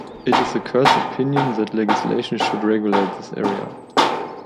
It is the Court's opinion that legislation should regulate this area.